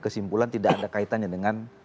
kesimpulan tidak ada kaitannya dengan